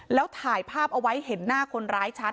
แล้วถ่ายภาพเอาไว้เห็นหน้าคนร้ายชัด